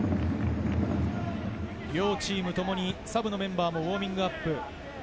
両チームともにサブのメンバーもウオーミングアップ。